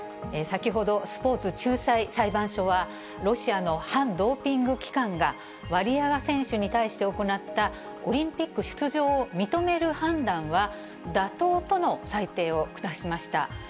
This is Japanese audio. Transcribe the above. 先ほど、スポーツ仲裁裁判所はロシアの反ドーピング機関がワリエワ選手に対して行ったオリンピック出場を認める判断は妥当との裁定を下しました。